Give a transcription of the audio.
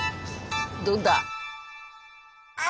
どうだ？